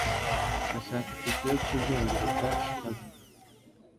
Ndashaka itike yo kuzenguruka Chicago.